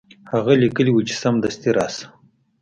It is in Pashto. هغه لیکلي وو چې سمدستي راشه.